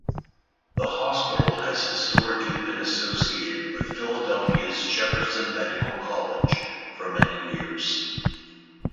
The hospital has historically been associated with Philadelphia's Jefferson Medical College for many years.